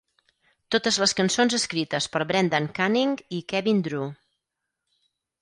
Totes les cançons escrites per Brendan Canning i Kevin Drew.